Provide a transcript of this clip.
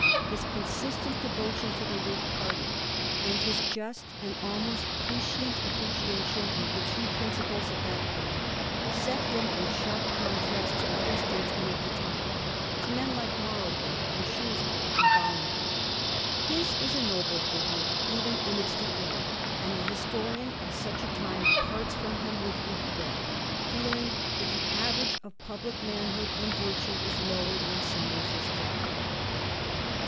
His consistent devotion to the Whig party, and his just and almost prescient appreciation of the true principles of that party, set him in sharp contrast to other statesmen of the time — to men like Marlborough, and Shrewsbury, and Bolingbroke. His is a noble figure, even in its decay, and the historian of such a time parts fix)m hiTn with regret, feeling that the average of public manhood and virtue is lowered when Somers is gone.